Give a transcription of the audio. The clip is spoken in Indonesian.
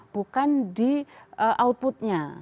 bukan di outputnya